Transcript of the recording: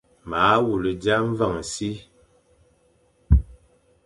Ma wule dia mveñ e si,